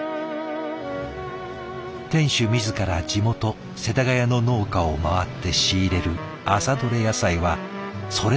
店主自ら地元・世田谷の農家を回って仕入れる朝採れ